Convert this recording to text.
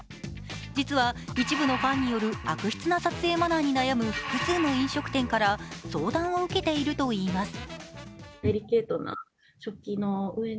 実は一部のファンによる悪質な撮影マナーに悩む複数の飲食店から相談を受けているといいます。